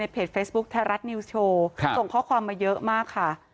เพจเฟซบุ๊คไทยรัฐนิวส์โชว์ส่งข้อความมาเยอะมากค่ะ